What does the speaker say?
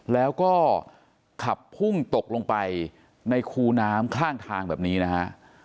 แล้วก็ขับพุ่งตกลงไปในคูน้ำข้างทางแบบนี้นะฮะ